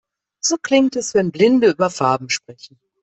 So klingt es, wenn Blinde über Farben sprechen.